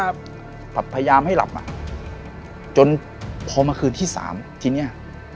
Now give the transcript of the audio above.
พยายามให้หลับมาจนพอมาคืนที่๓ทีเนี่ย